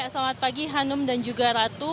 selamat pagi hanum dan juga ratu